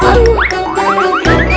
gak boleh mereka gak boleh mereka